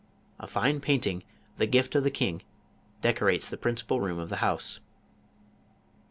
A fine painting, the gift of the king, decorates the principal room of the house.